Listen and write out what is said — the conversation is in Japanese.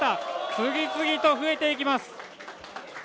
次々と増えていきます。